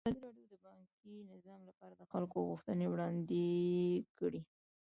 ازادي راډیو د بانکي نظام لپاره د خلکو غوښتنې وړاندې کړي.